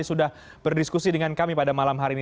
sudah berdiskusi dengan kami pada malam hari ini